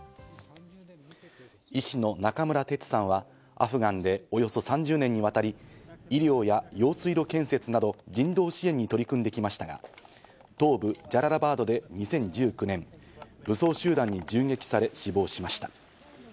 医師の中村哲さんはアフガンでおよそ３０年にわたり医療や用水路建設など人道支援に取り組んできましたが、東部ジャララバードで２０１９年、武装集団に銃撃され死亡しました。